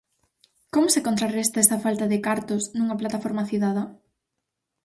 Como se contrarresta esa falta de cartos nunha plataforma cidadá?